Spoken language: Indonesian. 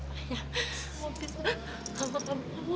tidak masalah ya